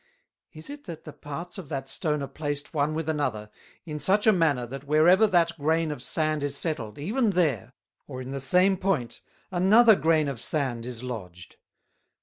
Is it that the parts of that Stone are placed one with another, in such a manner that wherever that grain of Sand is settled, even there, or in the same point, another grain of Sand is Lodged?